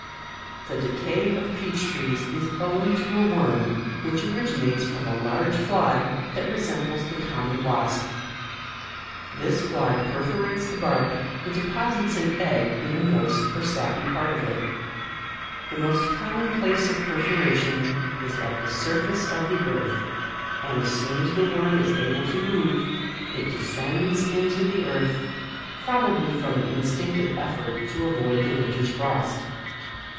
" The decay of peach trees is owing to a worm, which originates from a large fly, that resembles the common wasp ; this fly perfo rates the bark, and deposits an egg in the moist or sappy part of it. The most com mon place of perforation is at the surface of the earth ; and as soon as the worm is able to move, it descends into the earth, probably from an instinctive effort to avoid the winter's frost.